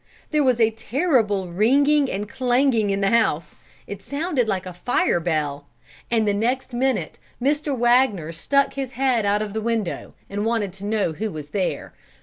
There was a terrible ringing and clanging in the house, it sounded like a fire bell; and the next minute Mr. Wagner stuck his head out of the window and wanted to know who was there.